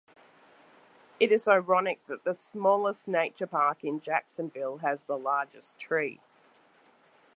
It is ironic that the smallest nature park in Jacksonville has the largest tree.